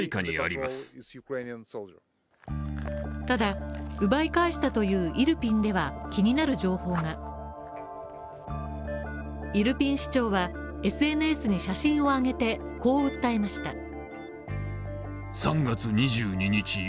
ただ、奪い返したというイルピンでは気になる情報がイルピン市長は、ＳＮＳに写真をあげてこう訴えました。